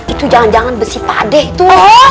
itu jangan jangan besi pade itu